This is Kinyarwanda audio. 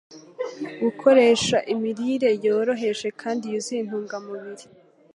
gukoresha imirire yoroheje kandi yuzuye intungamubiri.